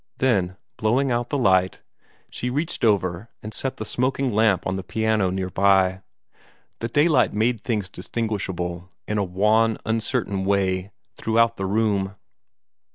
Then, blowing out the light, she reached over and set the smoking lamp on the piano near by. The daylight made things distinguishable in a wan, uncertain way, throughout the room.